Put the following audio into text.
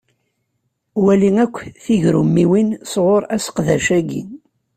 Wali akk tigrummiwin sɣuṛ aseqdac-agi.